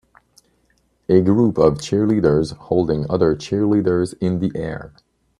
A group of cheerleaders holding other cheerleaders in the air.